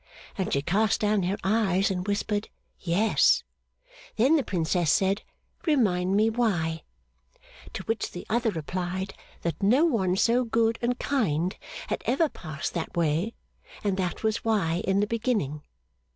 And she cast down her eyes, and whispered, Yes. Then the Princess said, Remind me why. To which the other replied, that no one so good and kind had ever passed that way, and that was why in the beginning.